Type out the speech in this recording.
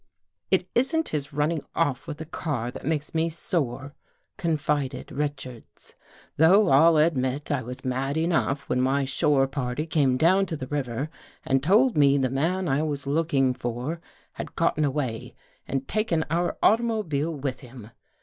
" It Isn't his running off with the car that makes me sore," confided Richards, " though I'll admit I was mad enough when my shore party came down to the river and told me the man I was looking for had gotten away and taken our automobile with him.